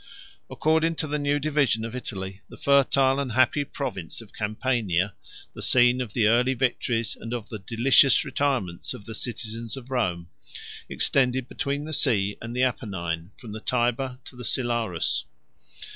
According to the new division of Italy, the fertile and happy province of Campania, the scene of the early victories and of the delicious retirements of the citizens of Rome, extended between the sea and the Apennine, from the Tiber to the Silarus.